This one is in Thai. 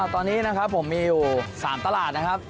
ตอนนี้นะครับผมมีอยู่๓ตลาดนะครับ